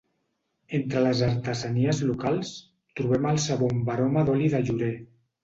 Entre les artesanies locals trobem el sabó amb aroma d'oli de llorer.